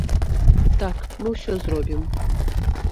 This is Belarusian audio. Так, мы ўсё зробім.